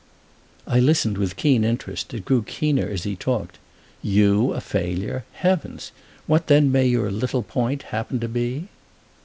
I listened with keen interest; it grew keener as he talked. "You a failure—heavens! What then may your 'little point' happen to be?"